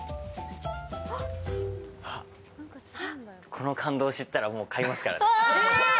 この感動を知ったらもう、買いますからね。